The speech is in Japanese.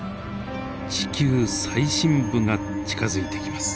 地球最深部が近づいてきます。